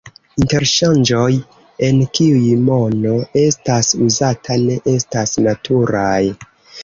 Interŝanĝoj, en kiuj mono estas uzata, ne estas naturaj.